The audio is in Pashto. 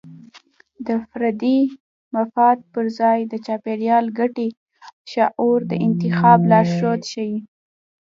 د فردي مفاد پر ځای د چاپیریال ګټې شعور د انتخاب لارښود شي.